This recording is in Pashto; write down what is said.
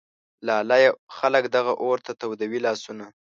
لالیه ! خلک دغه اور ته تودوي لاسونه